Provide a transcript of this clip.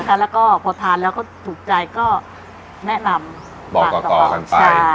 นะคะแล้วก็พอทานแล้วก็ถูกใจก็แนะนำ